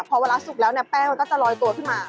พอเวลาสุกแล้วเนี่ยแป้งมันก็จะลอยตัวขึ้นมา